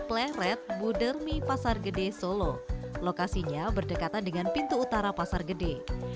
pleret budermi pasar gede solo lokasinya berdekatan dengan pintu utara pasar gede